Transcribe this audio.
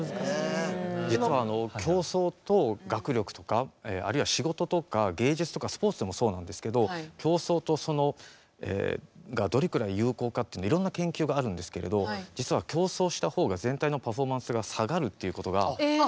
実は競争と学力とかあるいは仕事とか芸術とかスポーツでもそうなんですけど競争とどれくらい有効かっていうのいろんな研究があるんですけれど実は、競争したほうが全体のパフォーマンスが下がるっていうことが。